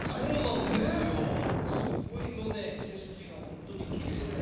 すごい背筋が本当にきれいで。